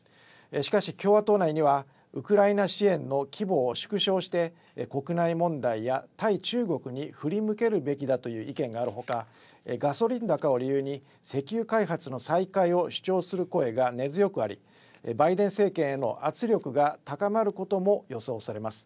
しかし、共和党内にはウクライナ支援の規模を縮小して国内問題や対中国に振り向けるべきだという意見があるほか、ガソリン高を理由に石油開発の再開を主張する声が根強くあり、バイデン政権への圧力が高まることも予想されます。